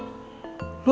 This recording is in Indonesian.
tau kena angin apa